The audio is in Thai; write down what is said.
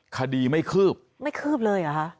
คดีไม่คืบไม่คืบเลยเหรอคะ